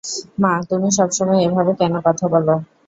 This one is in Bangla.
মা, তুমি সবসময় এভাবে কেন কথা বলো?